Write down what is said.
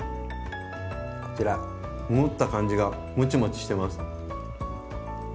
こちら持った感じがモチモチしてます。